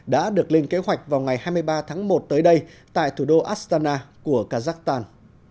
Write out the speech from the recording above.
đã được lên kế hoạch vào ngày hai mươi ba tháng một tới đây tại thủ đô astana của kazakhstan